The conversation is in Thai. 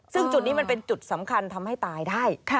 ซึ่งจุดนี้มันเป็นจุดสำคัญทำให้ตายได้